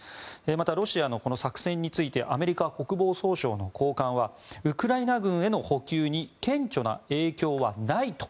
またロシアの作戦についてアメリカ国防総省の高官はウクライナ軍への補給に顕著な影響はないと。